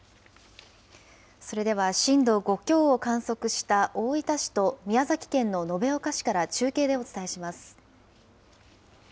それでは震度５強を観測した大分市と宮崎県の延岡市から中継